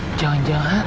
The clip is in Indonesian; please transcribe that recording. sepeda yang dari belanda